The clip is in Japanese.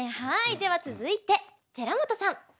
では続いて田中さん。